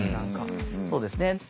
そうですね。